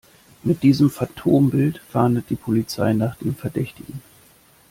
Mit diesem Phantombild fahndet die Polizei nach dem Verdächtigen.